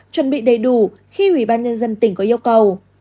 chuẩn bị đầy đủ khi ủy ban nhân dân tỉnh có yêu cầu